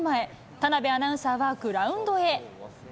田辺アナウンサーはグラウンドへ。